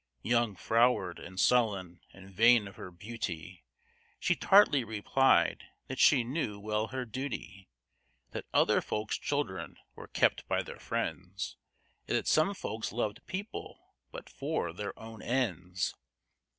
Young, froward, and sullen, and vain of her beauty, She tartly replied, that she knew well her duty, That other folks' children were kept by their friends, And that some folks loved people but for their own ends.